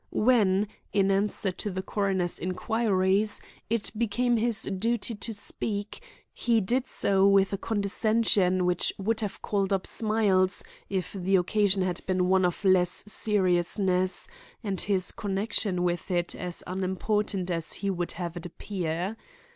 When, in answer to the coroner's inquiries, it became his duty to speak, he did so with a condescension which would have called up smiles if the occasion had been one of less seriousness, and his connection with it as unimportant as he would have it appear.